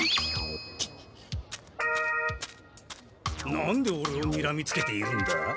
何でオレをにらみつけているんだ？